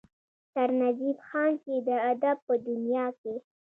سرنزېب خان چې د ادب پۀ دنيا کښې